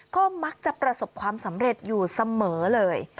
ก็มักจะประสบความสำเร็จอยู่เสมอเลย